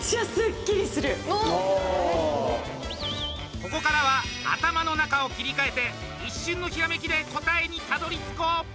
ここからは頭の中を切り替えて一瞬のひらめきで答えに、たどりつこう！